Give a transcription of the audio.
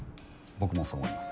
僕もそう思います。